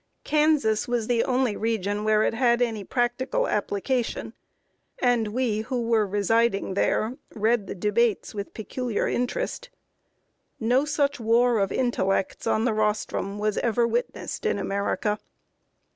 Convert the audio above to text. Kansas was the only region to which it had any practical application; and we, who were residing there, read the debates with peculiar interest. No such war of intellects, on the rostrum, was ever witnessed in America.